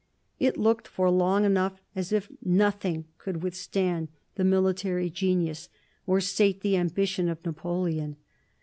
It looked for long enough as if nothing could withstand the military genius or sate the ambition of Napoleon.